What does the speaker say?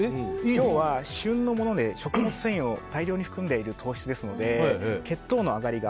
要は旬のもので食物繊維を大量に含んでいる糖質ですので血糖の上がりが。